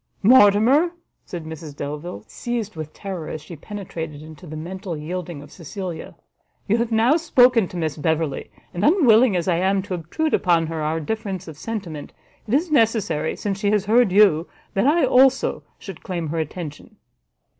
"Mortimer," said Mrs Delvile, seized with terror as she penetrated into the mental yielding of Cecilia, "you have now spoken to Miss Beverley; and unwilling as I am to obtrude upon her our difference of sentiment, it is necessary, since she has heard you, that I, also, should claim her attention."